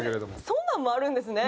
そんなんもあるんですね。